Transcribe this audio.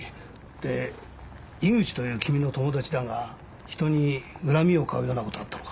で井口という君の友達だが人に恨みを買うようなことあったのか？